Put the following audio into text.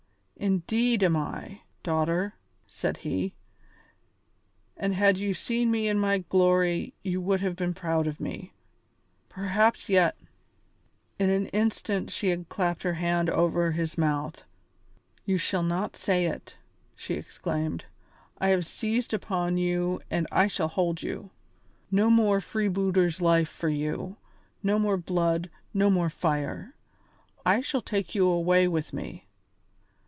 "Indeed am I, daughter," said he; "and had you seen me in my glory you would have been proud of me. Perhaps yet " In an instant she had clapped her hand over his mouth. "You shall not say it!" she exclaimed. "I have seized upon you and I shall hold you. No more freebooter's life for you; no more blood, no more fire. I shall take you away with me.